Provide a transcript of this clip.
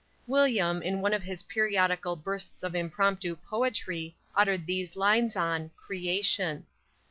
William, in one of his periodical bursts of impromptu poetry, uttered these lines on _CREATION.